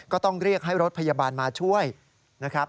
ก็ต้องเรียกให้รถพยาบาลมาช่วยนะครับ